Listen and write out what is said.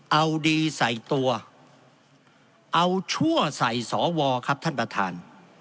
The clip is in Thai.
เอาดีใส่ตัวเอาชั่วใส่สวครับท่านประธาน